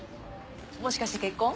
もしかして結婚？